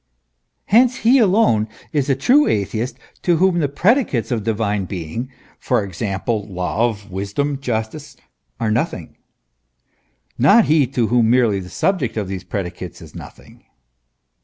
Hence, he alone is the true atheist to whom the predicates of the Divine Being, for example, love, wisdom, justice, are nothing; not he to whom merely the sub ject of these predicates is nothing.